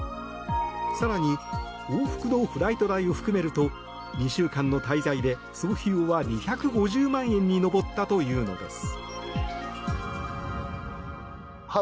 更に往復のフライト代を含めると２週間の滞在で総費用は２５０万円に上ったというのです。